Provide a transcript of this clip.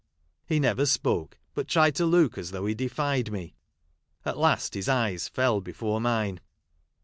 He never .spoke, but tried to look as though he defied me ; at last his eyes fell before mine.